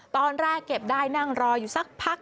ตอนแรกเก็บได้นั่งรออยู่สักพัก